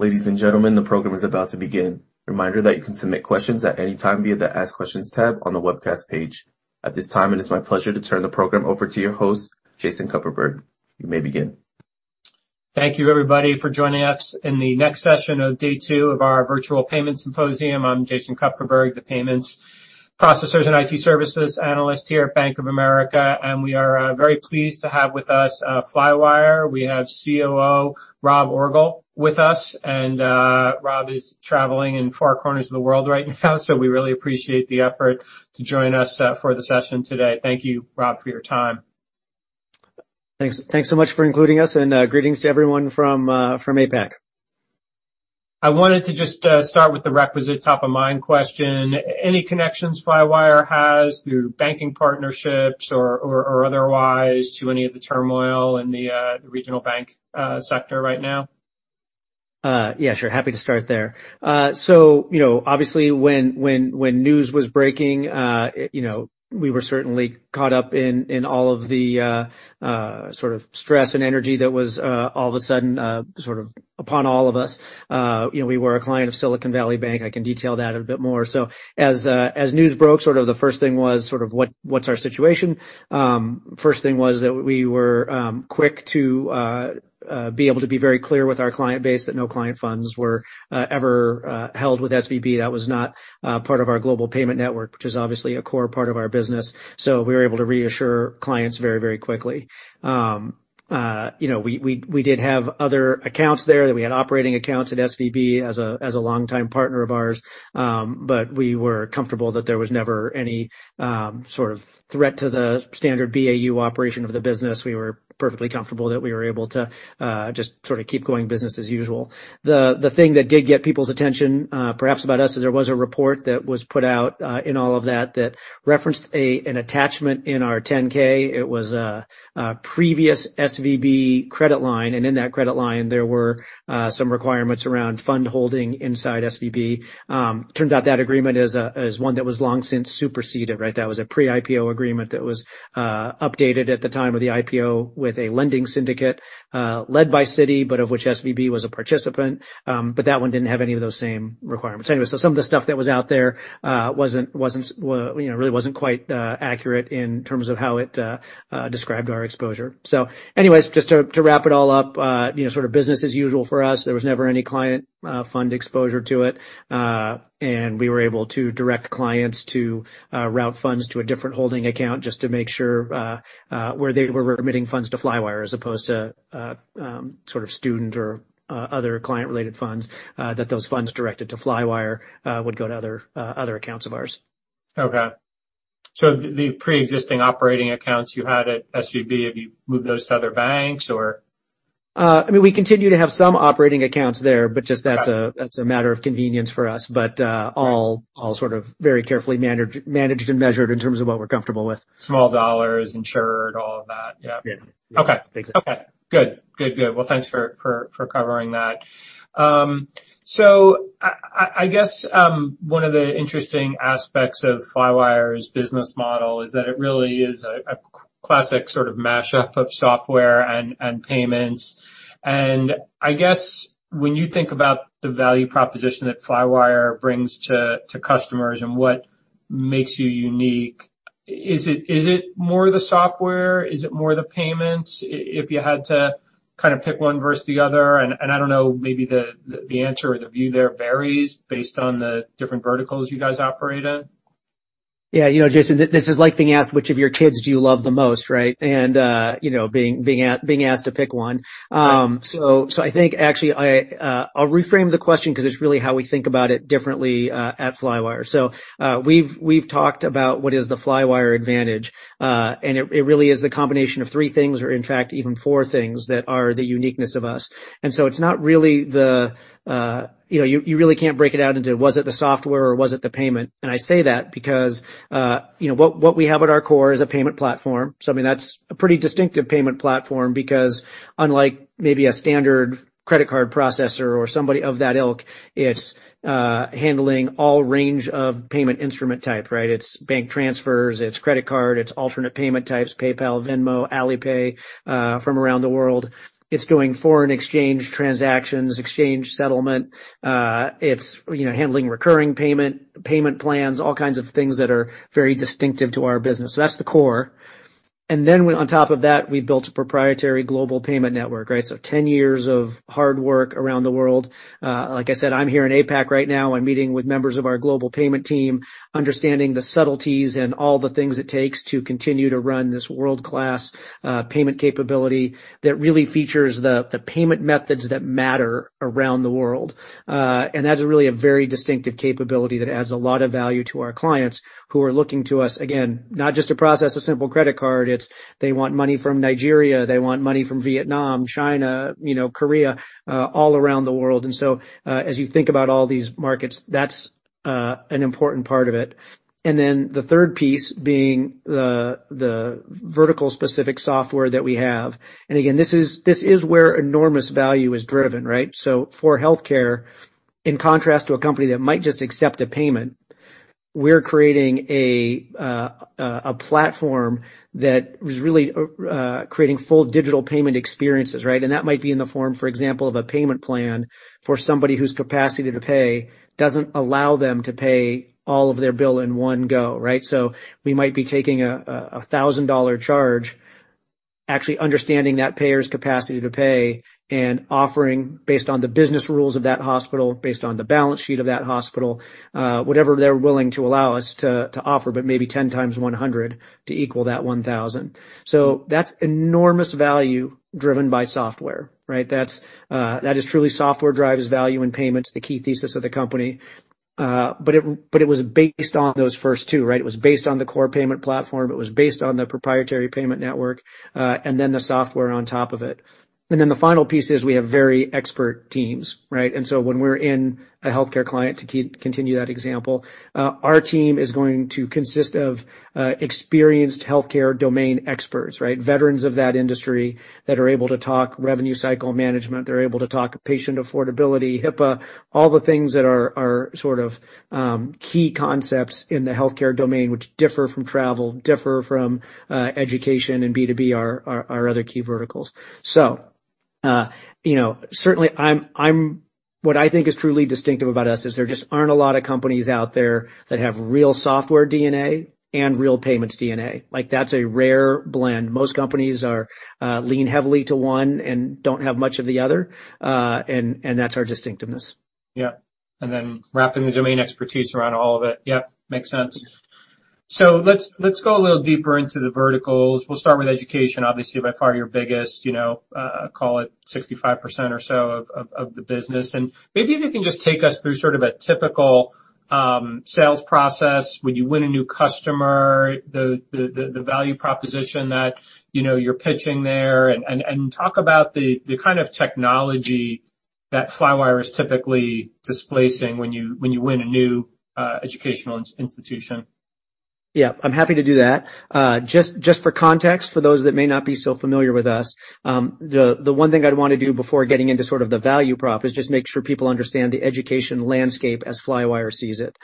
Ladies and gentlemen, the program is about to begin. Reminder that you can submit questions at any time via the Ask Questions tab on the webcast page. At this time, it is my pleasure to turn the program over to your host, Jason Kupferberg. You may begin. Thank you, everybody, for joining us in the next session of day two of our virtual payment symposium. I'm Jason Kupferberg, the Payments Processors and IT Services Analyst here at Bank of America. We are very pleased to have with us Flywire. We have COO Rob Orgel with us. Rob is traveling in far corners of the world right now, so we really appreciate the effort to join us for the session today. Thank you, Rob, for your time. Thanks, thanks so much for including us. Greetings to everyone from APAC. I wanted to just start with the requisite top-of-mind question. Any connections Flywire has through banking partnerships or otherwise to any of the turmoil in the regional bank sector right now? Yeah, sure. Happy to start there. Obviously when news was breaking, you know, we were certainly caught up in all of the sort of stress and energy that was all of a sudden sort of upon all of us. We were a client of Silicon Valley Bank. I can detail that a bit more. As news broke, sort of the first thing was sort of what's our situation? First thing was that we were quick to be able to be very clear with our client base that no client funds were ever held with SVB. That was not part of our global payment network, which is obviously a core part of our business. We were able to reassure clients very, very quickly. We did have other accounts there, that we had operating accounts at SVB as a longtime partner of ours. We were comfortable that there was never any sort of threat to the standard BAU operation of the business. We were perfectly comfortable that we were able to just sort of keep going business as usual. The thing that did get people's attention, perhaps about us is there was a report that was put out in all of that referenced an attachment in our 10-K. It was a previous SVB credit line, and in that credit line, there were some requirements around fund holding inside SVB. Turned out that agreement is one that was long since superseded, right? That was a pre-IPO agreement that was updated at the time of the IPO with a lending syndicate led by Citi, of which SVB was a participant. That one didn't have any of those same requirements anyway. Some of the stuff that was out there wasn't, really wasn't quite accurate in terms of how it described our exposure. Anyways, just to wrap it all up, sort of business as usual for us, there was never any client fund exposure to it. We were able to direct clients to route funds to a different holding account just to make sure where they were remitting funds to Flywire as opposed to sort of student or other client-related funds, that those funds directed to Flywire would go to other other accounts of ours. Okay. The preexisting operating accounts you had at SVB, have you moved those to other banks or? I mean, we continue to have some operating accounts there, but just, that's a matter of convenience for us. All sort of very carefully managed and measured in terms of what we're comfortable with. Small dollars, insured, all of that. Yeah. Yeah. Okay. Exactly. Okay, good. Good, good. Well, thanks for covering that. I guess one of the interesting aspects of Flywire's business model is that it really is a classic sort of mashup of software and payments. I guess when you think about the value proposition that Flywire brings to customers and what makes you unique, is it more the software? Is it more the payments? If you had to kind of pick one versus the other, and I don't know, maybe the answer or the view there varies based on the different verticals you guys operate in. Yeah. You know, Jason, this is like being asked which of your kids do you love the most, right? You know, being asked to pick one. I think actually I'll reframe the question 'cause it's really how we think about it differently at Flywire. We've talked about what is the Flywire advantage. It really is the combination of three things, or in fact, even four things that are the uniqueness of us. It's not really the, you know, you really can't break it out into was it the software or was it the payment? I say that because, what we have at our core is a payment platform. I mean, that's a pretty distinctive payment platform because unlike maybe a standard credit card processor or somebody of that ilk, it's handling all range of payment instrument type, right? It's bank transfers, it's credit card, it's alternate payment types, PayPal, Venmo, Alipay, from around the world. It's doing foreign exchange transactions, exchange settlement. It's, you know, handling recurring payment plans, all kinds of things that are very distinctive to our business. That's the core. On top of that, we built a proprietary global payment network, right? 10 years of hard work around the world. Like I said, I'm here in APAC right now. I'm meeting with members of our global payment team, understanding the subtleties and all the things it takes to continue to run this world-class payment capability that really features the payment methods that matter around the world. That's really a very distinctive capability that adds a lot of value to our clients who are looking to us, again, not just to process a simple credit card. It's they want money from Nigeria, they want money from Vietnam, China, Korea, all around the world. As you think about all these markets, that's an important part of it. The third piece being the vertical specific software that we have. Again, this is where enormous value is driven, right? For healthcare-In contrast to a company that might just accept a payment, we're creating a platform that is really creating full digital payment experiences, right? That might be in the form, for example, of a payment plan for somebody whose capacity to pay doesn't allow them to pay all of their bill in one go, right? We might be taking a $1,000 charge, actually understanding that payer's capacity to pay and offering based on the business rules of that hospital, based on the balance sheet of that hospital, whatever they're willing to allow us to offer, but maybe 10x$100 to equal that $1,000. That's enormous value driven by software, right? That's that is truly software drives value in payments, the key thesis of the company. It was based on those first two, right? It was based on the core payment platform. It was based on the proprietary payment network, then the software on top of it. Then the final piece is we have very expert teams, right? When we're in a healthcare client to continue that example, our team is going to consist of experienced healthcare domain experts, right? Veterans of that industry that are able to talk revenue cycle management. They're able to talk patient affordability, HIPAA, all the things that are sort of key concepts in the healthcare domain, which differ from travel, differ from education and B2B are our other key verticals. You know, certainly what I think is truly distinctive about us is there just aren't a lot of companies out there that have real software DNA and real payments DNA. Like, that's a rare blend. Most companies are lean heavily to one and don't have much of the other, and that's our distinctiveness. Then wrapping the domain expertise around all of it. Makes sense. Let's go a little deeper into the verticals. We'll start with education, obviously, by far your biggest call it 65% or so of the business. Maybe if you can just take us through sort of a typical sales process when you win a new customer, the value proposition that you're pitching there and talk about the kind of technology that Flywire is typically displacing when you, when you win a new educational institution. Yeah, I'm happy to do that. Just for context, for those that may not be so familiar with us, the one thing I'd wanna do before getting into sort of the value prop is just make sure people understand the education landscape as Flywire sees it.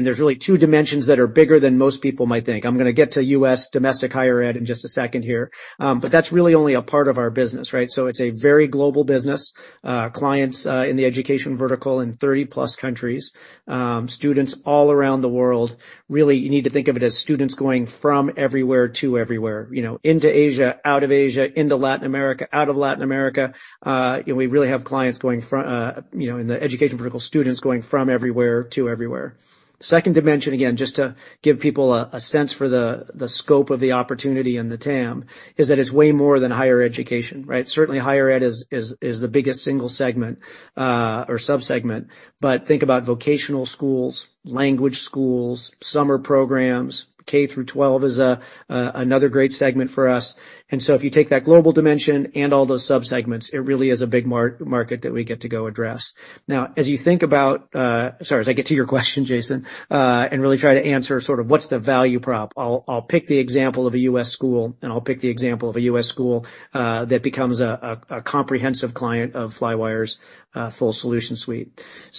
There's really two dimensions that are bigger than most people might think. I'm gonna get to U.S. domestic higher ed in just a second here. That's really only a part of our business, right? It's a very global business, clients in the education vertical in 30+ countries, students all around the world. Really, you need to think of it as students going from everywhere to everywhere. You know, into Asia, out of Asia, into Latin America, out of Latin America. We really have clients going, you know, in the education vertical, students going from everywhere to everywhere. Second dimension, again, just to give people a sense for the scope of the opportunity and the TAM, is that it's way more than higher education, right? Certainly, higher ed is the biggest single segment or sub-segment. Think about vocational schools, language schools, summer programs. K-12 is a another great segment for us. If you take that global dimension and all those sub-segments, it really is a big market that we get to go address. As you think about, sorry, as I get to your question, Jason, and really try to answer sort of what's the value prop, I'll pick the example of a U.S. school, and I'll pick the example of a U.S. school that becomes a comprehensive client of Flywire's full solution suite.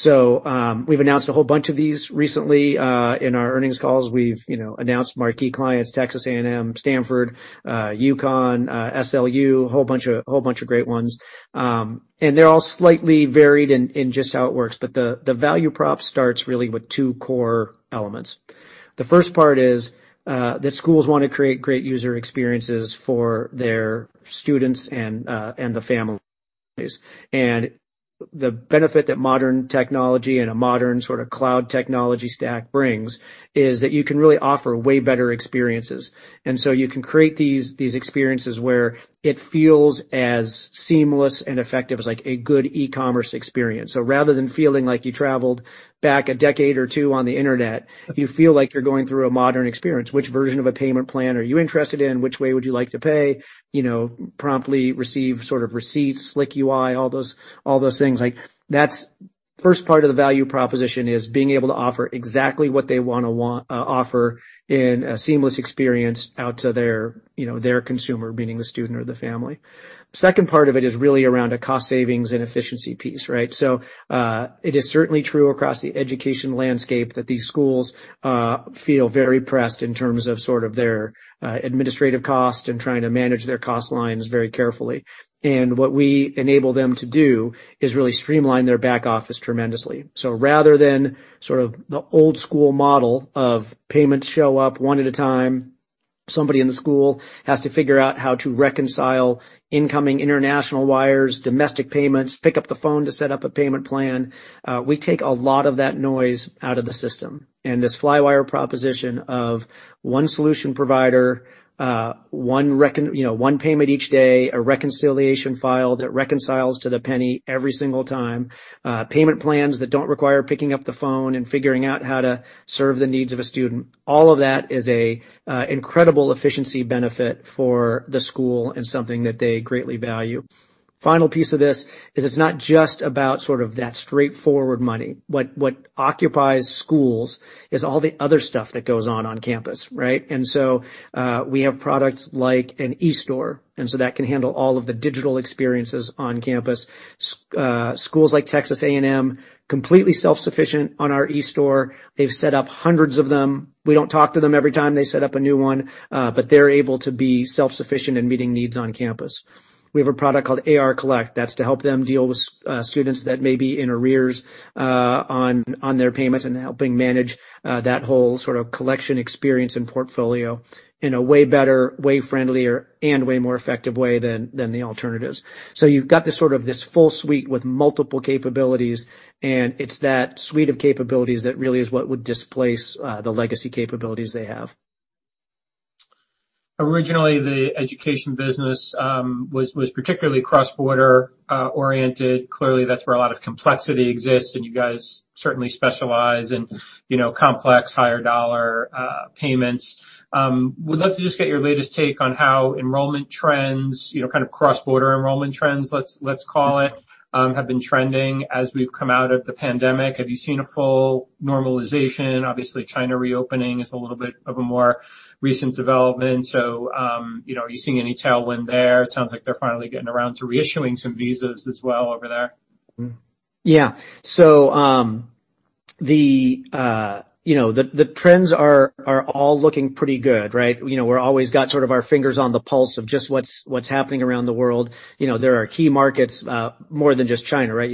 We've announced a whole bunch of these recently in our earnings calls. We've, you know, announced marquee clients, Texas A&M, Stanford, UConn, SLU, whole bunch of great ones. They're all slightly varied in just how it works. The value prop starts really with two core elements. The first part is that schools wanna create great user experiences for their students and the families. The benefit that modern technology and a modern sort of cloud technology stack brings is that you can really offer way better experiences. You can create these experiences where it feels as seamless and effective as, like, a good e-commerce experience. Rather than feeling like you traveled back a decade or two on the internet, you feel like you're going through a modern experience. Which version of a payment plan are you interested in? Which way would you like to pay? You know, promptly receive sort of receipts, slick UI, all those things. Like, that's first part of the value proposition is being able to offer exactly what they wanna offer in a seamless experience out to their consumer, meaning the student or the family. Second part of it is really around a cost savings and efficiency piece, right? It is certainly true across the education landscape that these schools feel very pressed in terms of sort of their administrative cost and trying to manage their cost lines very carefully. What we enable them to do is really streamline their back office tremendously. Rather than sort of the old school model of payments show up one at a time. Somebody in the school has to figure out how to reconcile incoming international wires, domestic payments, pick up the phone to set up a payment plan. We take a lot of that noise out of the system. This Flywire proposition of one solution provider, you know, one payment each day, a reconciliation file that reconciles to the penny every single time, payment plans that don't require picking up the phone and figuring out how to serve the needs of a student, all of that is a incredible efficiency benefit for the school and something that they greatly value. Final piece of this is it's not just about sort of that straightforward money. What, what occupies schools is all the other stuff that goes on on campus, right? We have products like an eStore, that can handle all of the digital experiences on campus. Schools like Texas A&M, completely self-sufficient on our eStore. They've set up hundreds of them. We don't talk to them every time they set up a new one, but they're able to be self-sufficient in meeting needs on campus. We have a product called AR Collect. That's to help them deal with students that may be in arrears on their payments and helping manage that whole sort of collection experience and portfolio in a way better, way friendlier, and way more effective way than the alternatives. You've got this sort of this full suite with multiple capabilities, and it's that suite of capabilities that really is what would displace the legacy capabilities they have. Originally, the education business was particularly cross-border oriented. Clearly, that's where a lot of complexity exists, and you guys certainly specialize in, you know, complex higher dollar payments. Would love to just get your latest take on how enrollment trends, you know, kind of cross-border enrollment trends, let's call it, have been trending as we've come out of the pandemic. Have you seen a full normalization? Obviously, China reopening is a little bit of a more recent development. You know, are you seeing any tailwind there? It sounds like they're finally getting around to reissuing some visas as well over there. Yeah. You know, the trends are all looking pretty good, right? You know, we're always got sort of our fingers on the pulse of just what's happening around the world. You know, there are key markets, more than just China, right?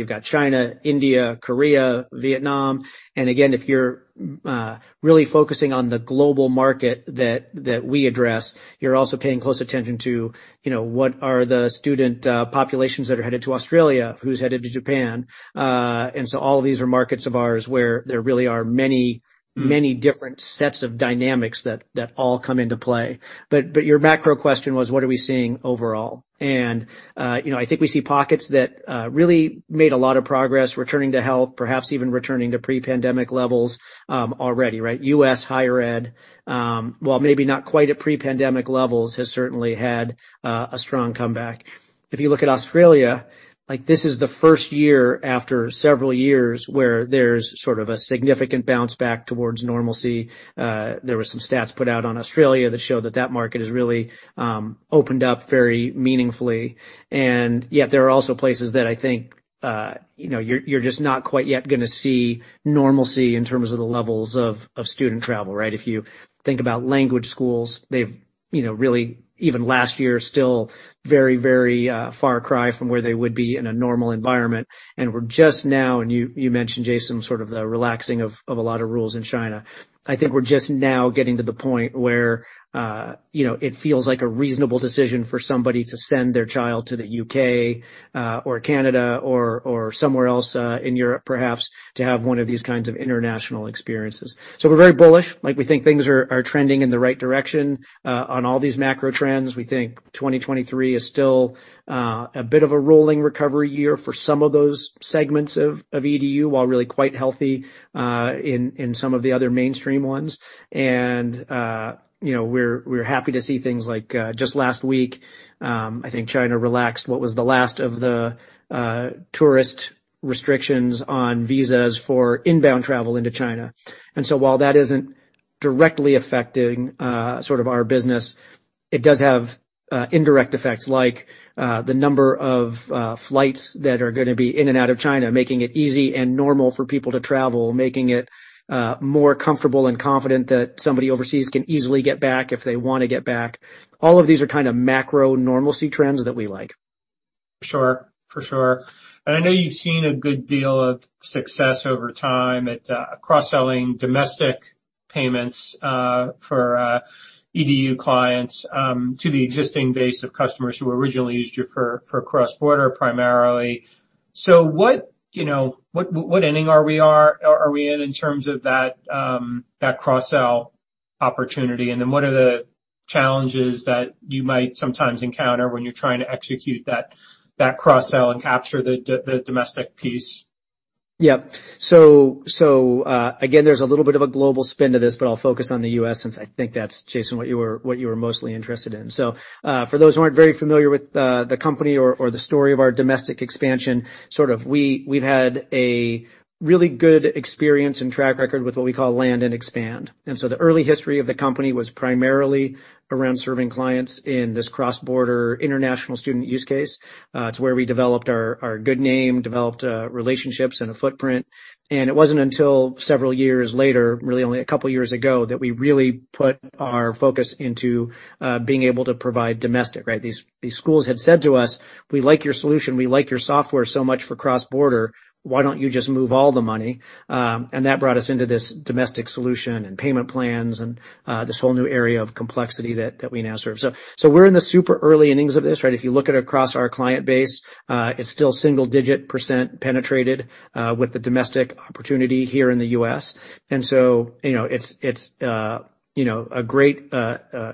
You've got China, India, Korea, Vietnam. Again, if you're really focusing on the global market that we address, you're also paying close attention to, you know, what are the student populations that are headed to Australia, who's headed to Japan. So all of these are markets of ours where there really are many- Mm-hmm Many different sets of dynamics that all come into play. Your macro question was, what are we seeing overall? You know, I think we see pockets that really made a lot of progress returning to health, perhaps even returning to pre-pandemic levels already, right? U.S. higher ed, while maybe not quite at pre-pandemic levels, has certainly had a strong comeback. If you look at Australia, like this is the first year after several years where there's sort of a significant bounce back towards normalcy. There were some stats put out on Australia that show that market has really opened up very meaningfully. Yet there are also places that I think, you know, you're just not quite yet gonna see normalcy in terms of the levels of student travel, right? If you think about language schools, they've, you know, really, even last year, still very, very far cry from where they would be in a normal environment. We're just now, and you mentioned, Jason, sort of the relaxing of a lot of rules in China. I think we're just now getting to the point where, you know, it feels like a reasonable decision for somebody to send their child to the U.K. or Canada or somewhere else in Europe, perhaps, to have one of these kinds of international experiences. We're very bullish. Like we think things are trending in the right direction on all these macro trends. We think 2023 is still a bit of a rolling recovery year for some of those segments of EDU, while really quite healthy in some of the other mainstream ones. You know, we're happy to see things like just last week, I think China relaxed what was the last of the tourist restrictions on visas for inbound travel into China. While that isn't directly affecting sort of our business, it does have indirect effects like the number of flights that are gonna be in and out of China, making it easy and normal for people to travel, making it more comfortable and confident that somebody overseas can easily get back if they wanna get back. All of these are kind of macro normalcy trends that we like. Sure. For sure. I know you've seen a good deal of success over time at cross-selling domestic payments for EDU clients to the existing base of customers who originally used you for cross-border primarily. What, you know, what inning are we in in terms of that cross-sell opportunity? What are the challenges that you might sometimes encounter when you're trying to execute that cross-sell and capture the domestic piece? Yep. Again, there's a little bit of a global spin to this, but I'll focus on the U.S. since I think that's, Jason, what you were mostly interested in. For those who aren't very familiar with the company or the story of our domestic expansion, sort of we've had a really good experience and track record with what we call land and expand. The early history of the company was primarily around serving clients in this cross-border international student use case, to where we developed our good name, developed relationships and a footprint. It wasn't until several years later, really only a couple years ago, that we really put our focus into being able to provide domestic, right? These schools had said to us, "We like your solution. We like your software so much for cross-border. Why don't you just move all the money? That brought us into this domestic solution and payment plans and this whole new area of complexity that we now serve. We're in the super early innings of this, right? If you look at across our client base, it's still single-digit percent penetrated with the domestic opportunity here in the U.S. You know, it's, you know, a great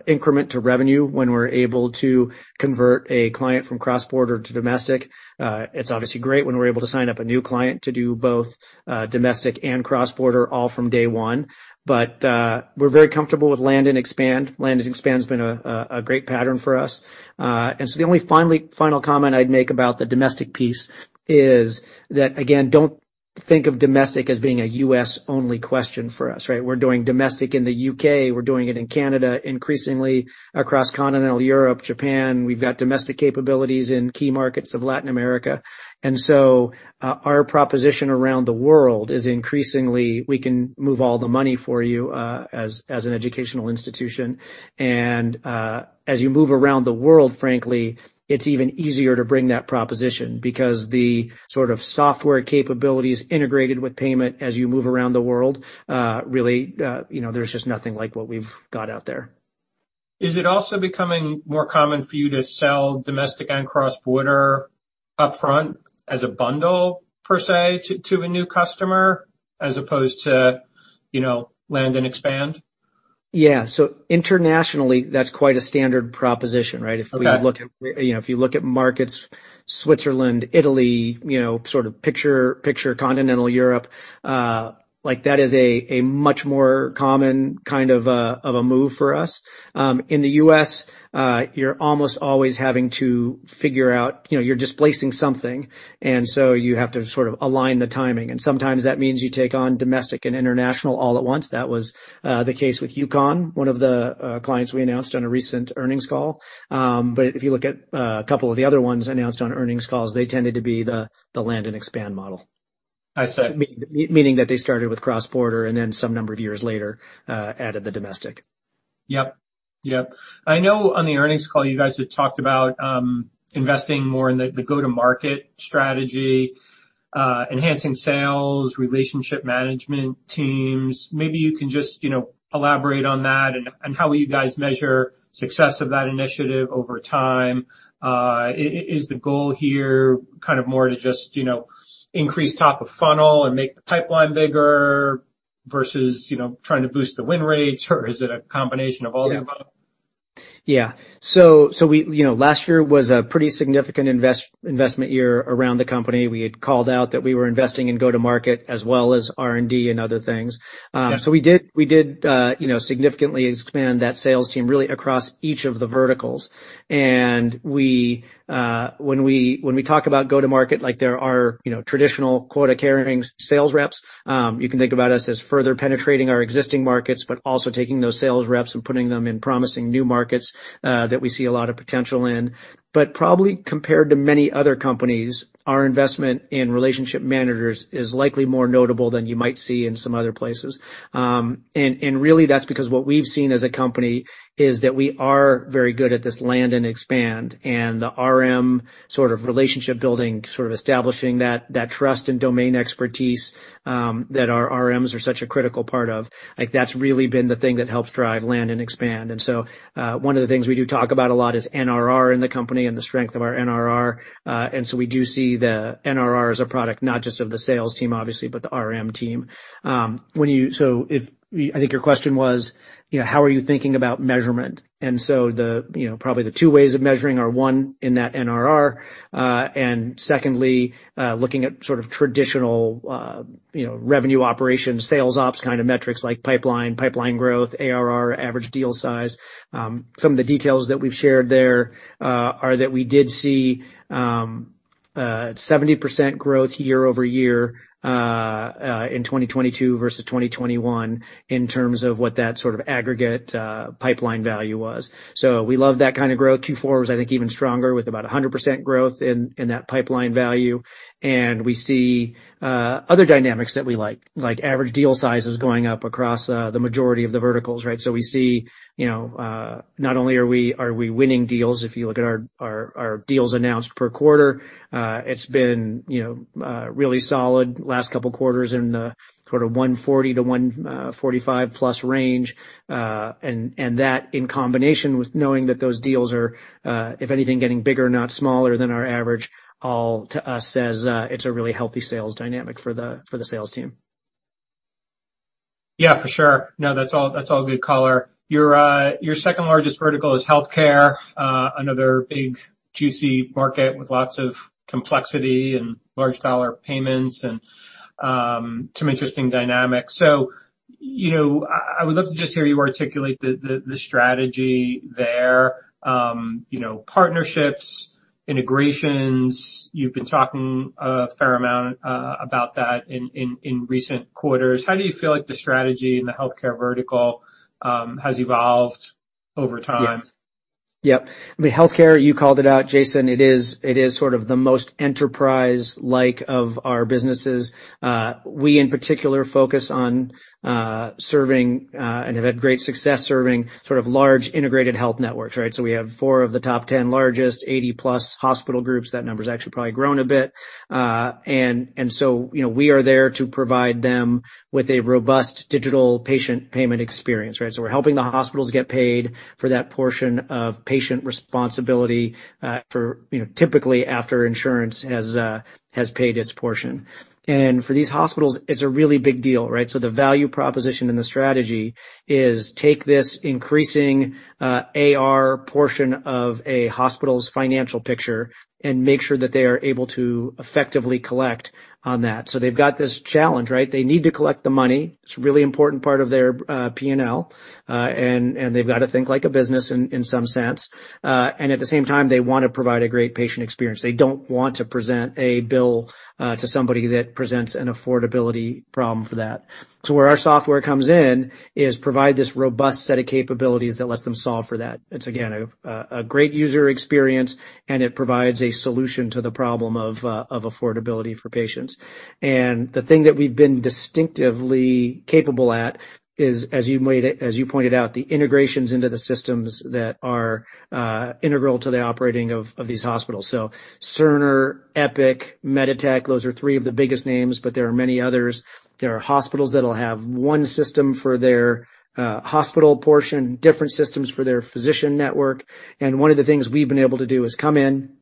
increment to revenue when we're able to convert a client from cross-border to domestic. It's obviously great when we're able to sign up a new client to do both domestic and cross-border all from day one. We're very comfortable with land and expand. Land and expand has been a great pattern for us. The only final comment I'd make about the domestic piece is that, again, don't think of domestic as being a U.S.-only question for us, right? We're doing domestic in the U.K. We're doing it in Canada, increasingly across continental Europe, Japan. We've got domestic capabilities in key markets of Latin America. Our proposition around the world is increasingly we can move all the money for you, as an educational institution. As you move around the world, frankly, it's even easier to bring that proposition because the sort of software capabilities integrated with payment as you move around the world, really, you know, there's just nothing like what we've got out there. Is it also becoming more common for you to sell domestic and cross-border upfront as a bundle per se to a new customer as opposed to, you know, land and expand? Yeah. Internationally, that's quite a standard proposition, right? Okay. You know, if you look at markets, Switzerland, Italy, you know, sort of picture continental Europe, like that is a much more common kind of a move for us. In the U.S., you're almost always having to figure out, you know, you're displacing something, and so you have to sort of align the timing. Sometimes that means you take on domestic and international all at once. That was the case with UConn, one of the clients we announced on a recent earnings call. If you look at a couple of the other ones announced on earnings calls, they tended to be the land and expand model. I see. Meaning that they started with cross-border and then some number of years later, added the domestic. Yep. Yep. I know on the earnings call, you guys had talked about investing more in the go-to-market strategy, enhancing sales, relationship management teams. Maybe you can just, you know, elaborate on that and how you guys measure success of that initiative over time. Is the goal here kind of more to just, you know, increase top of funnel and make the pipeline bigger versus, you know, trying to boost the win rates? Or is it a combination of all the above? Yeah. We you know, last year was a pretty significant investment year around the company. We had called out that we were investing in go-to-market as well as R&D and other things. Yeah. We did, you know, significantly expand that sales team really across each of the verticals. We, when we talk about go-to-market, like there are, you know, traditional quota-carrying sales reps, you can think about us as further penetrating our existing markets, but also taking those sales reps and putting them in promising new markets that we see a lot of potential in. Probably compared to many other companies, our investment in relationship managers is likely more notable than you might see in some other places. Really that's because what we've seen as a company is that we are very good at this land and expand. The RM sort of relationship building, sort of establishing that trust and domain expertise, that our RMs are such a critical part of, like that's really been the thing that helps drive land and expand. One of the things we do talk about a lot is NRR in the company and the strength of our NRR. We do see the NRR as a product, not just of the sales team, obviously, but the RM team. I think your question was, you know, how are you thinking about measurement? The, you know, probably the two ways of measuring are, one, in that NRR, and secondly, looking at sort of traditional, you know, revenue operations, sales ops kind of metrics like pipeline growth, ARR, average deal size. Some of the details that we've shared there, are that we did see 70% growth year-over-year in 2022 versus 2021 in terms of what that sort of aggregate pipeline value was. We love that kind of growth. Q4 was, I think, even stronger with about 100% growth in that pipeline value. We see other dynamics that we like average deal sizes going up across the majority of the verticals, right? We see, you know, not only are we winning deals, if you look at our deals announced per quarter, it's been, you know, really solid last couple quarters in the sort of 140 to 145+ range. That in combination with knowing that those deals are, if anything, getting bigger, not smaller than our average, all to us says, it's a really healthy sales dynamic for the sales team. That's all good color. Your second-largest vertical is healthcare, another big, juicy market with lots of complexity and large dollar payments and some interesting dynamics. You know, I would love to just hear you articulate the strategy there. You know, partnerships, integrations, you've been talking a fair amount about that in recent quarters. How do you feel like the strategy in the healthcare vertical has evolved over time? Yeah. Yep. I mean, healthcare, you called it out, Jason. It is sort of the most enterprise-like of our businesses. We, in particular, focus on serving and have had great success serving sort of large integrated health networks, right? We have 4 of the top 10 largest, 80+ hospital groups. That number's actually probably grown a bit. You know, we are there to provide them with a robust digital patient payment experience, right? We're helping the hospitals get paid for that portion of patient responsibility, for, you know, typically after insurance has paid its portion. For these hospitals, it's a really big deal, right? The value proposition and the strategy is take this increasing AR portion of a hospital's financial picture and make sure that they are able to effectively collect on that. They've got this challenge, right? They need to collect the money. It's a really important part of their P&L, and they've got to think like a business in some sense. At the same time, they wanna provide a great patient experience. They don't want to present a bill to somebody that presents an affordability problem for that. Where our software comes in is provide this robust set of capabilities that lets them solve for that. It's again, a great user experience, and it provides a solution to the problem of affordability for patients. The thing that we've been distinctively capable at is, as you pointed out, the integrations into the systems that are integral to the operating of these hospitals. Cerner, Epic, MEDITECH, those are three of the biggest names, but there are many others. There are hospitals that'll have one system for their hospital portion, different systems for their physician network. One of the things we've been able to do is come in,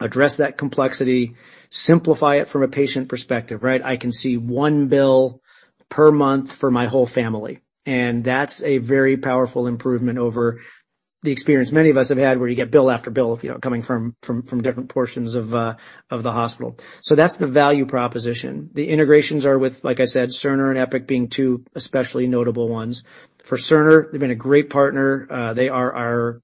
address that complexity, simplify it from a patient perspective, right? I can see one bill per month for my whole family, and that's a very powerful improvement over the experience many of us have had, where you get bill after bill, you know, coming from different portions of the hospital. That's the value proposition. The integrations are with, like I said, Cerner and Epic being two especially notable ones. For Cerner, they've been a great partner. They are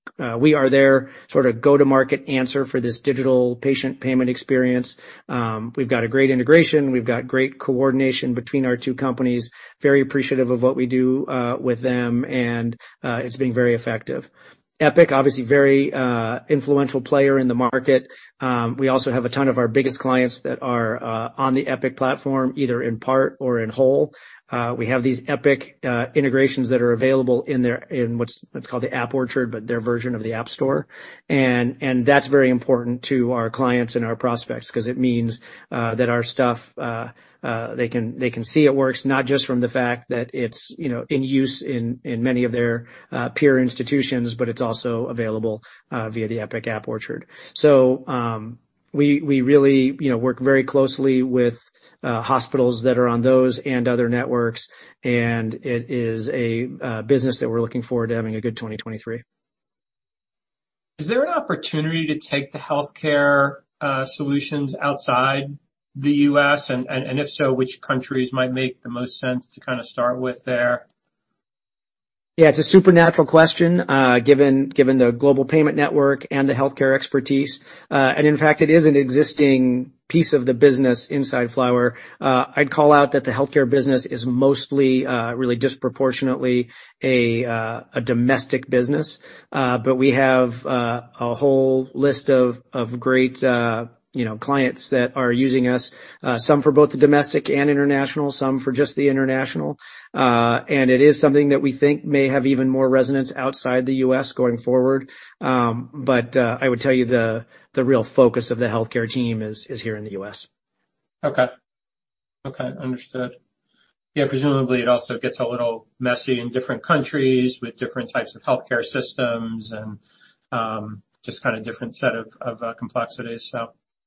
their sorta go-to-market answer for this digital patient payment experience. We've got a great integration. We've got great coordination between our two companies, very appreciative of what we do with them, and it's been very effective. Epic, obviously very influential player in the market. We also have a ton of our biggest clients that are on the Epic platform, either in part or in whole. We have these Epic integrations that are available in what's called the App Orchard, but their version of the App Store. That's very important to our clients and our prospects 'cause it means that our stuff, they can see it works, not just from the fact that it's, you know, in use in many of their peer institutions, but it's also available via the Epic App Orchard. We really, you know, work very closely with hospitals that are on those and other networks, and it is a business that we're looking forward to having a good 2023. Is there an opportunity to take the healthcare solutions outside the U.S.? If so, which countries might make the most sense to kinda start with there? It's a supernatural question, given the global payment network and the healthcare expertise. It is an existing piece of the business inside Flywire. I'd call out that the healthcare business is mostly really disproportionately a domestic business. We have a whole list of great, you know, clients that are using us, some for both the domestic and international, some for just the international. It is something that we think may have even more resonance outside the U.S. going forward. I would tell you the real focus of the healthcare team is here in the U.S. Okay. Okay. Understood. Yeah, presumably it also gets a little messy in different countries with different types of healthcare systems and, just kinda different set of complexities,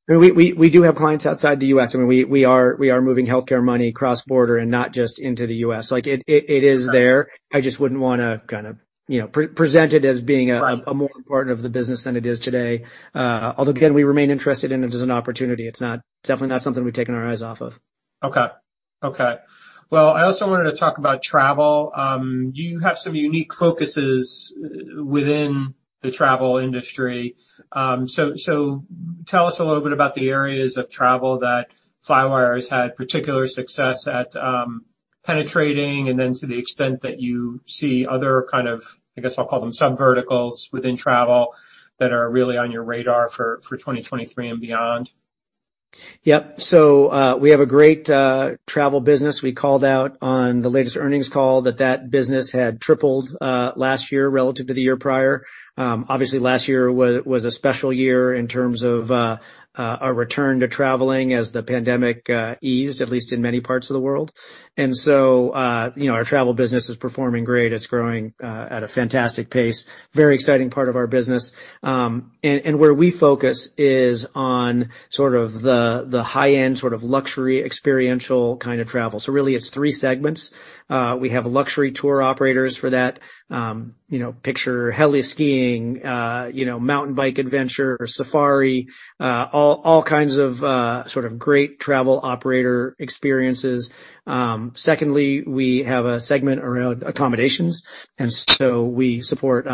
so. We do have clients outside the U.S., and we are moving healthcare money cross-border and not just into the U.S. Like, it is there. I just wouldn't wanna kinda, you know, pre-present it as being a more important of the business than it is today. Although again, we remain interested in it as an opportunity. It's not, definitely not something we've taken our eyes off of. Okay. Well, I also wanted to talk about travel. You have some unique focuses within the travel industry. Tell us a little bit about the areas of travel that Flywire has had particular success at penetrating, and then to the extent that you see other kind of, I guess I'll call them subverticals within travel that are really on your radar for 2023 and beyond. Yep. We have a great travel business. We called out on the latest earnings call that business had tripled last year relative to the year prior. Obviously last year was a special year in terms of a return to traveling as the pandemic eased, at least in many parts of the world. you know, our travel business is performing great. It's growing at a fantastic pace. Very exciting part of our business. And where we focus is on sort of the high-end, sort of luxury experiential kind of travel. Really it's three segments. We have luxury tour operators for that. you know, picture heli skiing, you know, mountain bike adventure, safari, all kinds of great travel operator experiences. Secondly, we have a segment around accommodations, and so we support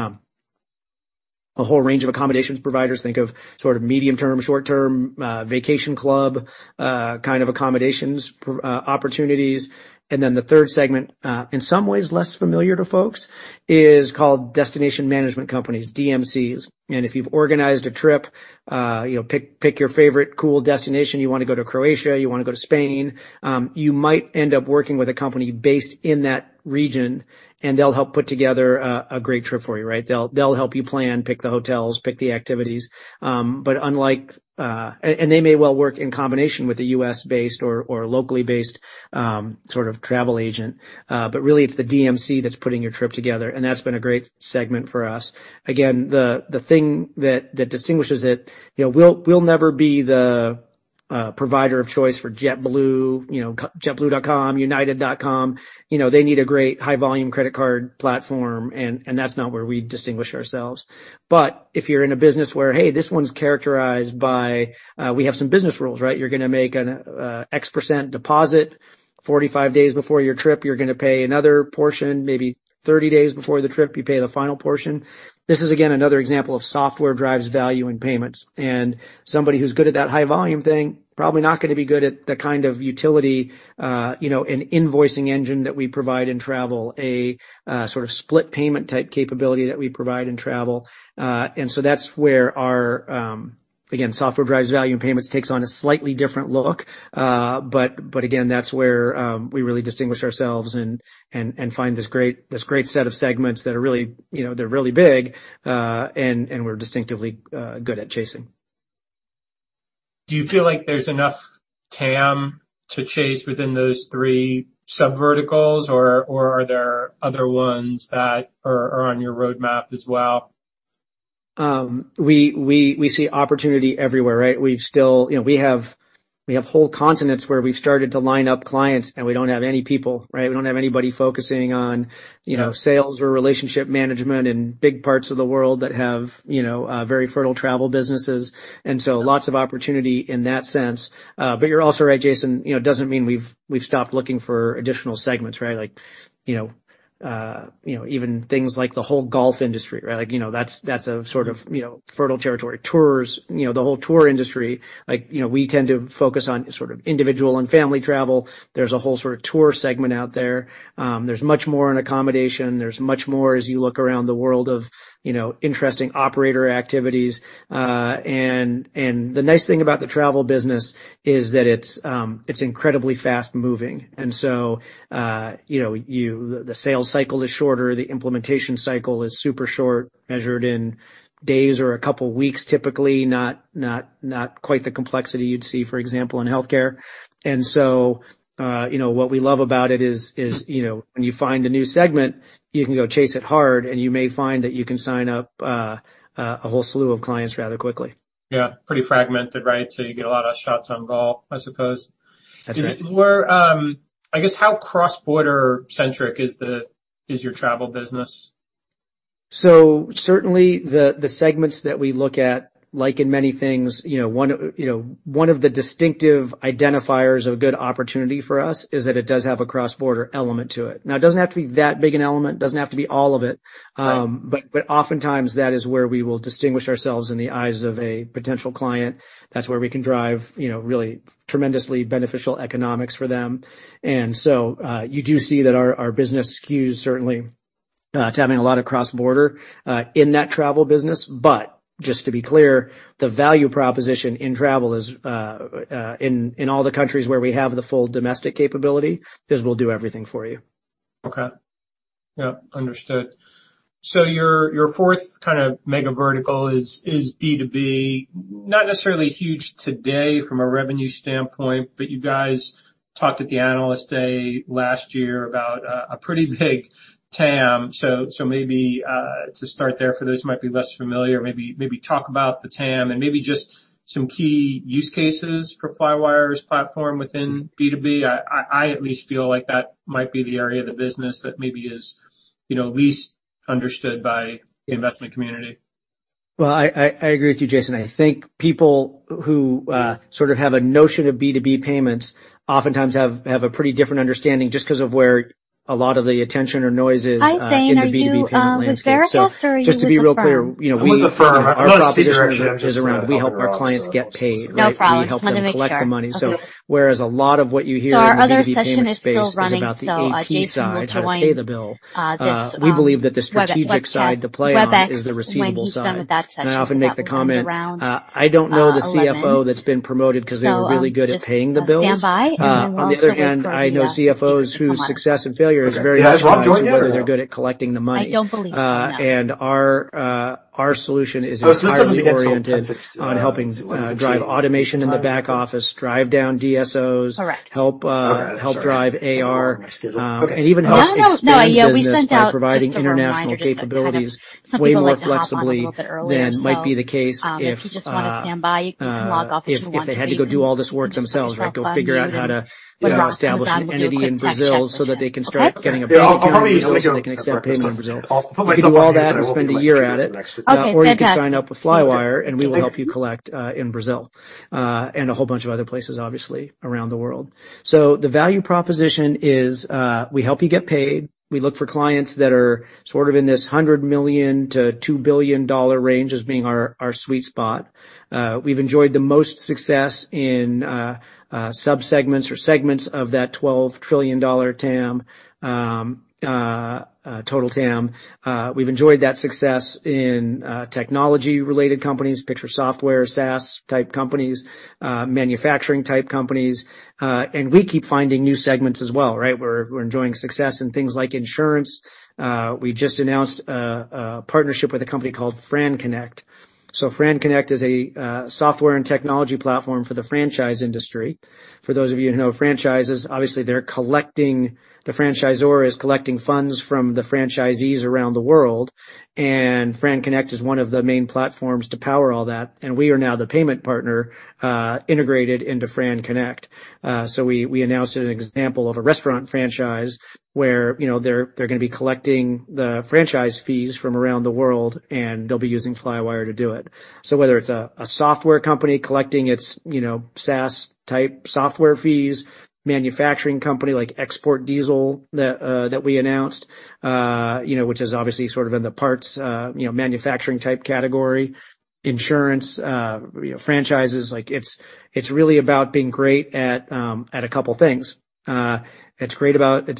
a whole range of accommodations providers. Think of sort of medium-term, short-term, vacation club, kind of accommodations opportunities. The third segment, in some ways less familiar to folks, is called destination management companies, DMCs. If you've organized a trip, you know, pick your favorite cool destination, you wanna go to Croatia, you wanna go to Spain, you might end up working with a company based in that region, and they'll help put together a great trip for you, right? They'll help you plan, pick the hotels, pick the activities. Unlike... They may well work in combination with a U.S.-based or locally-based sort of travel agent, but really it's the DMC that's putting your trip together. That's been a great segment for us. The thing that distinguishes it, you know, we'll never be the provider of choice for JetBlue, you know, jetblue.com, united.com. You know, they need a great high volume credit card platform and that's not where we distinguish ourselves. If you're in a business where, hey, this one's characterized by, we have some business rules, right? You're gonna make an X percent deposit 45 days before your trip. You're gonna pay another portion maybe 30 days before the trip. You pay the final portion. This is, again, another example of software drives value in payments. Somebody who's good at that high volume thing, probably not gonna be good at the kind of utility, you know, an invoicing engine that we provide in travel. A sort of split payment type capability that we provide in travel. That's where our, again, software drives value and payments takes on a slightly different look. Again, that's where we really distinguish ourselves and find this great set of segments that are really, you know, they're really big, and we're distinctively good at chasing. Do you feel like there's enough TAM to chase within those three sub-verticals or are there other ones that are on your roadmap as well? We see opportunity everywhere, right? You know, we have whole continents where we've started to line up clients, and we don't have any people, right? We don't have anybody focusing on, you know, sales or relationship management in big parts of the world that have, you know, very fertile travel businesses. Lots of opportunity in that sense. You're also right, Jason, you know, it doesn't mean we've stopped looking for additional segments, right? Like, you know, even things like the whole golf industry, right? Like, you know, that's a sort of, you know, fertile territory. Tours, you know, the whole tour industry. Like, you know, we tend to focus on sort of individual and family travel. There's a whole sort of tour segment out there. There's much more in accommodation. There's much more as you look around the world of, you know, interesting operator activities. The nice thing about the travel business is that it's incredibly fast-moving. You know, the sales cycle is shorter, the implementation cycle is super short, measured in days or a couple weeks, typically. Not quite the complexity you'd see, for example, in healthcare. You know, what we love about it is, you know, when you find a new segment, you can go chase it hard, and you may find that you can sign up, a whole slew of clients rather quickly. Yeah. Pretty fragmented, right? You get a lot of shots on goal, I suppose. That's right. Is it more, I guess, how cross-border centric is your travel business? Certainly, the segments that we look at, like in many things, you know, one of the distinctive identifiers of a good opportunity for us is that it does have a cross-border element to it. Now, it doesn't have to be that big an element. It doesn't have to be all of it. Right. Oftentimes, that is where we will distinguish ourselves in the eyes of a potential client. That's where we can drive, you know, really tremendously beneficial economics for them. So, you do see that our business skews certainly, to having a lot of cross-border, in that travel business. Just to be clear, the value proposition in travel is, in all the countries where we have the full domestic capability, is we'll do everything for you. Okay. Yep. Understood. Your fourth kinda mega vertical is B2B. Not necessarily huge today from a revenue standpoint, but you guys talked at the Analyst Day last year about a pretty big TAM. Maybe to start there for those who might be less familiar, maybe talk about the TAM and maybe just some key use cases for Flywire's platform within B2B. I at least feel like that might be the area of the business that maybe is, you know, least understood by the investment community. Well, I agree with you, Jason. I think people who sort of have a notion of B2B payments oftentimes have a pretty different understanding just 'cause of where a lot of the attention or noise is. In the B2B payment landscape. just to be real clear, you know, we, our proposition is around we help our clients get paid, right? We help them collect the money. Whereas a lot of what you hear in the B2B payment space is about the AP side, how to pay the bill, we believe that the strategic side to play on is the receivable side. I often make the comment, I don't know the CFO that's been promoted because they were really good at paying the bills. On the other hand, I know CFOs whose success and failure is very much tied to whether they're good at collecting the money. Our solution is entirely oriented on helping drive automation in the back office, drive down DSOs. Help drive AR, and even help expand business by providing international capabilities way more flexibly than might be the case if they had to go do all this work themselves, right? Go figure out how to, you know, establish an entity in Brazil so that they can start getting a bank account in Brazil so they can accept payment in Brazil. They could do all that. It will be a year at it. You can sign up with Flywire, and we will help you collect in Brazil, and a whole bunch of other places, obviously, around the world. The value proposition is, we help you get paid. We look for clients that are sort of in this $100 million-$2 billion range as being our sweet spot. We've enjoyed the most success in sub-segments or segments of that $12 trillion TAM, total TAM. We've enjoyed that success in technology-related companies, picture software, SaaS-type companies, manufacturing-type companies. We keep finding new segments as well, right? We're enjoying success in things like insurance. We just announced a partnership with a company called FranConnect. FranConnect is a software and technology platform for the franchise industry. For those of you who know franchises, obviously the franchisor is collecting funds from the franchisees around the world, and FranConnect is one of the main platforms to power all that, and we are now the payment partner integrated into FranConnect. We announced an example of a restaurant franchise where, you know, they're gonna be collecting the franchise fees from around the world, and they'll be using Flywire to do it. Whether it's a software company collecting its, you know, SaaS-type software fees, manufacturing company like Export Diesel that we announced, you know, which is obviously sort of in the parts, you know, manufacturing-type category, insurance, you know, franchises. Like it's really about being great at a couple things. It's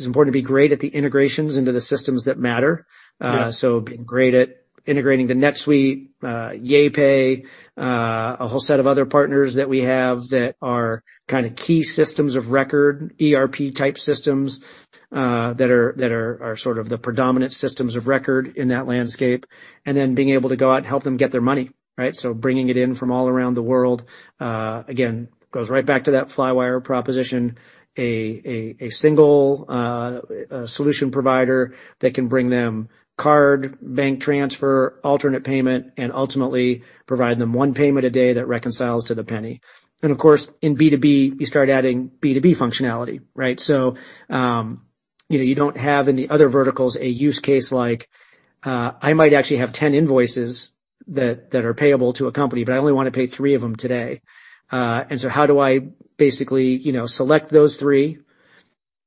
important to be great at the integrations into the systems that matter. Being great at integrating to NetSuite, YeePay, a whole set of other partners that we have that are kinda key systems of record, ERP-type systems, that are sort of the predominant systems of record in that landscape, and then being able to go out and help them get their money, right? Bringing it in from all around the world, again, goes right back to that Flywire proposition. A single solution provider that can bring them card, bank transfer, alternate payment, and ultimately provide them one payment a day that reconciles to the penny. Of course, in B2B, you start adding B2B functionality, right? you know, you don't have any other verticals, a use case like, I might actually have 10 invoices that are payable to a company, but I only wanna pay three of them today. how do I basically, you know, select those three,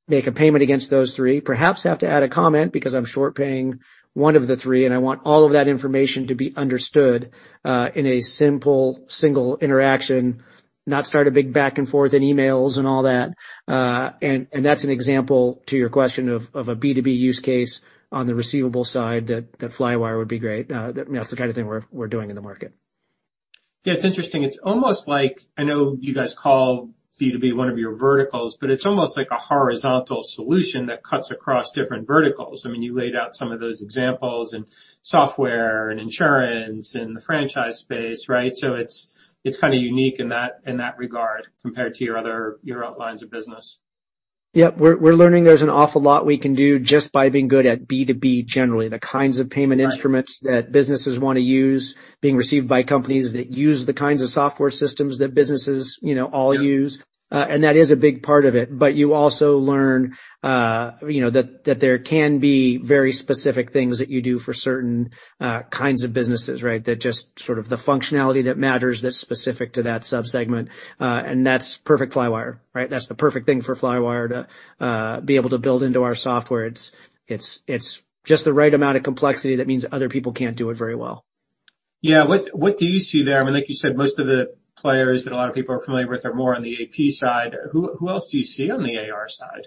make a payment against those three, perhaps have to add a comment because I'm short paying one of the three, and I want all of that information to be understood, in a simple, single interaction, not start a big back and forth in emails and all that. that's an example to your question of a B2B use case on the receivable side that Flywire would be great. that's the kind of thing we're doing in the market. Yeah, it's interesting. It's almost like, I know you guys call B2B one of your verticals, but it's almost like a horizontal solution that cuts across different verticals. I mean, you laid out some of those examples in software and insurance and the franchise space, right? It's, it's kinda unique in that, in that regard, compared to your lines of business. Yeah. We're learning there's an awful lot we can do just by being good at B2B, generally. The kinds of payment instruments. That businesses wanna use, being received by companies that use the kinds of software systems that businesses, you know, all use. That is a big part of it. You also learn, you know, that there can be very specific things that you do for certain kinds of businesses, right? That just sort of the functionality that matters that's specific to that sub-segment, that's perfect Flywire, right? That's the perfect thing for Flywire to be able to build into our software. It's just the right amount of complexity that means other people can't do it very well. Yeah. What do you see there? I mean, like you said, most of the players that a lot of people are familiar with are more on the AP side. Who else do you see on the AR side?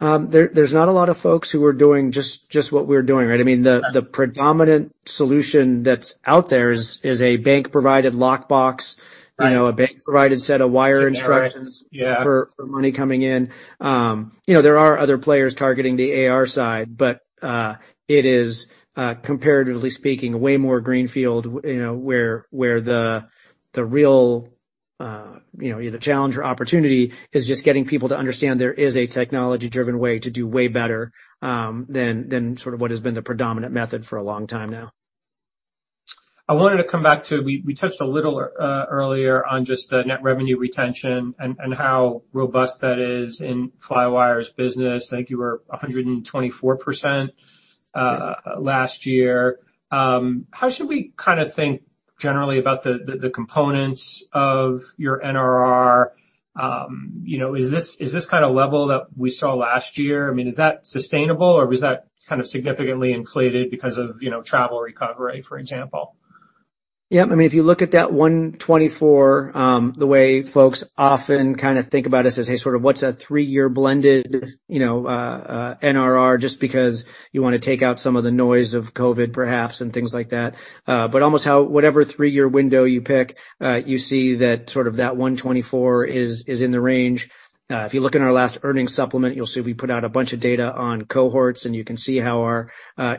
There's not a lot of folks who are doing just what we're doing, right? I mean, the predominant solution that's out there is a bank-provided lockbox. You know, a bank-provided set of wire instructions – Yeah. For money coming in. You know, there are other players targeting the AR side. It is, comparatively speaking, way more greenfield, you know, where the real, you know, either challenge or opportunity is just getting people to understand there is a technology-driven way to do way better than sort of what has been the predominant method for a long time now. I wanted to come back to, we touched a little earlier on just the net revenue retention and how robust that is in Flywire's business. I think you were 124% last year. How should we kinda think generally about the components of your NRR? You know, is this kind of level that we saw last year, I mean, is that sustainable, or was that kind of significantly inflated because of, you know, travel recovery, for example? Yeah. I mean, if you look at that 124%, the way folks often kinda think about us as, hey, sort of what's a three-year blended, you know, NRR just because you wanna take out some of the noise of COVID, perhaps, and things like that. Whatever three-year window you pick, you see that sort of that 124% is in the range. If you look in our last earnings supplement, you'll see we put out a bunch of data on cohorts, and you can see how our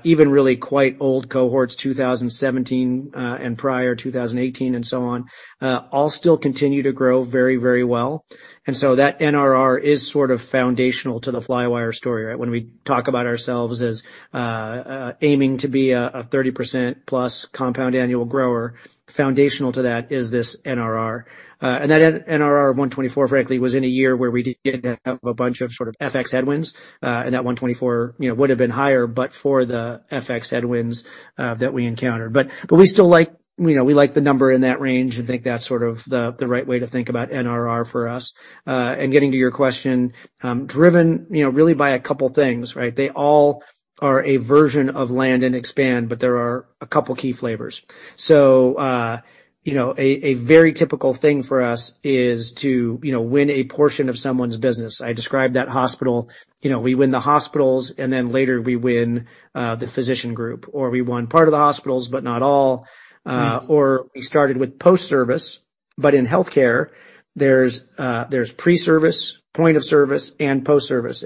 even really quite old cohorts, 2017 and prior, 2018 and so on, all still continue to grow very well. That NRR is sort of foundational to the Flywire story, right? When we talk about ourselves as aiming to be a 30% plus compound annual grower, foundational to that is this NRR. That NRR of 124, frankly, was in a year where we did have a bunch of sort of FX headwinds, and that 124, you know, would have been higher but for the FX headwinds that we encountered. We still like, you know, we like the number in that range and think that's sort of the right way to think about NRR for us. Getting to your question, driven, you know, really by a couple things, right? They all are a version of land and expand, but there are a couple key flavors. A very typical thing for us is to, you know, win a portion of someone's business. I described that hospital. You know, we win the hospitals, and then later we win, the physician group, or we won part of the hospitals, but not all. We started with post-service, but in healthcare, there's pre-service, point of service, and post-service.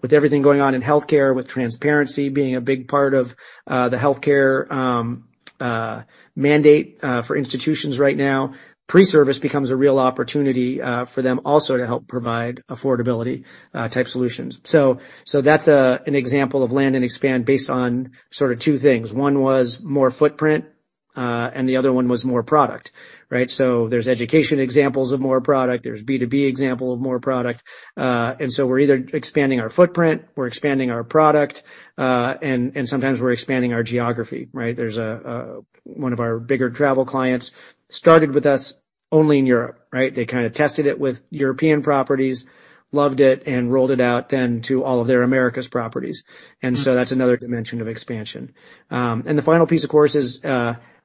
With everything going on in healthcare, with transparency being a big part of the healthcare mandate for institutions right now, pre-service becomes a real opportunity for them also to help provide affordability type solutions. So that's an example of land and expand based on sort of two things. One was more footprint, and the other one was more product, right? There's education examples of more product, there's B2B example of more product. We're either expanding our footprint, we're expanding our product, and sometimes we're expanding our geography, right? There's one of our bigger travel clients started with us only in Europe, right? They kinda tested it with European properties, loved it, rolled it out then to all of their Americas properties. That's another dimension of expansion. The final piece, of course, is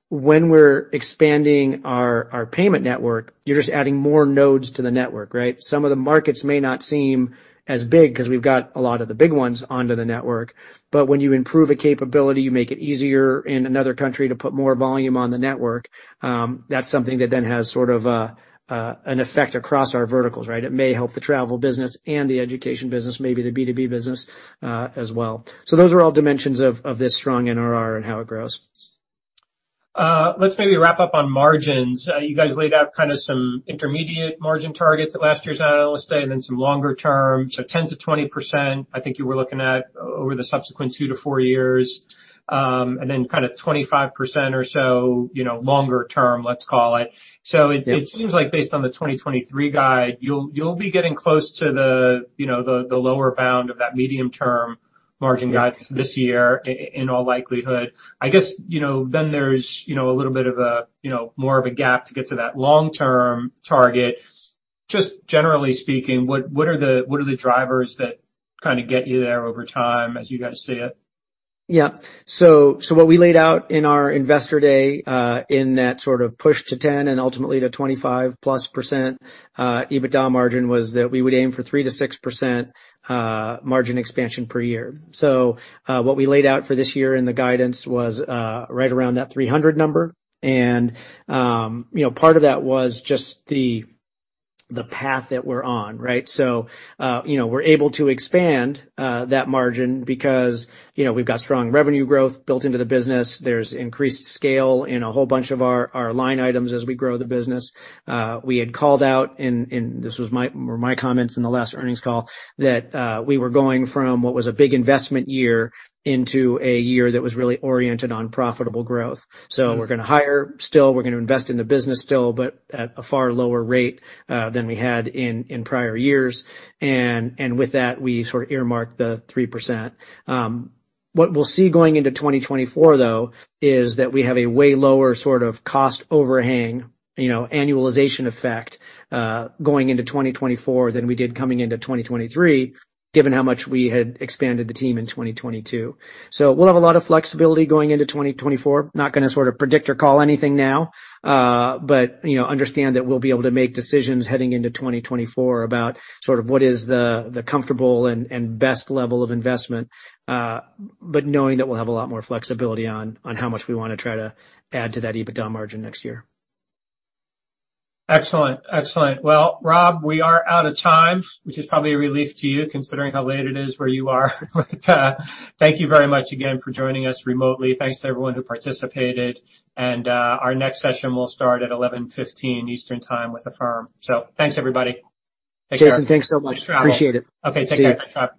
when we're expanding our payment network, you're just adding more nodes to the network, right? Some of the markets may not seem as big 'cause we've got a lot of the big ones onto the network. When you improve a capability, you make it easier in another country to put more volume on the network, that's something that then has sort of a, an effect across our verticals, right? It may help the travel business and the education business, maybe the B2B business as well. Those are all dimensions of this strong NRR and how it grows. Let's maybe wrap up on margins. You guys laid out kinda some intermediate margin targets at last year's analyst day, and then some longer term. 10%-20%, I think you were looking at the subsequent 2-4 years, and then kinda 25% or so, you know, longer term, let's call it. Yeah. It seems like based on the 2023 guide, you'll be getting close to the, you know, the lower bound of that medium term margin guidance this year in all likelihood. I guess, you know, then there's, you know, a little bit of a, you know, more of a gap to get to that long-term target. Just generally speaking, what are the drivers that kinda get you there over time as you guys see it? What we laid out in our investor day, in that sort of push to 10 and ultimately to 25+% EBITDA margin, was that we would aim for 3%-6% margin expansion per year. What we laid out for this year in the guidance was right around that 300 number. You know, part of that was just the path that we're on, right? You know, we're able to expand that margin because, you know, we've got strong revenue growth built into the business. There's increased scale in a whole bunch of our line items as we grow the business. We had called out in... Were my comments in the last earnings call, that, we were going from what was a big investment year into a year that was really oriented on profitable growth. We're gonna hire still, we're gonna invest in the business still, but at a far lower rate than we had in prior years. With that, we sort of earmarked the 3%. What we'll see going into 2024, though, is that we have a way lower sort of cost overhang, you know, annualization effect going into 2024 than we did coming into 2023, given how much we had expanded the team in 2022. We'll have a lot of flexibility going into 2024. Not gonna sort of predict or call anything now, but, you know, understand that we'll be able to make decisions heading into 2024 about sort of what is the comfortable and best level of investment, but knowing that we'll have a lot more flexibility on how much we wanna try to add to that EBITDA margin next year. Excellent. Excellent. Well, Rob, we are out of time, which is probably a relief to you, considering how late it is where you are. Thank you very much again for joining us remotely. Thanks to everyone who participated. Our next session will start at 11:15 A.M. Eastern time with the firm. Thanks, everybody. Take care. Jason, thanks so much. Nice travels. Appreciate it. Okay. Take care. See you. Thanks, Rob. Bye.